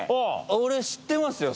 俺知ってますよ